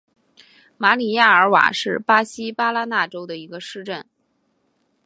马里亚尔瓦是巴西巴拉那州的一个市镇。